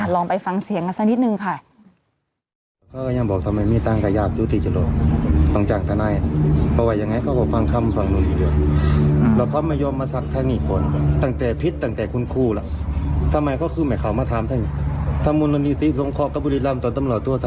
ลองไปฟังเสียงกันสักนิดนึงค่ะ